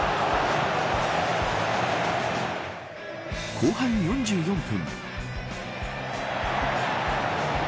後半４４分。